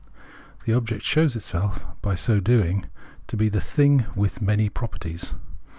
The object shows itself by so doing to be the thing with many properties.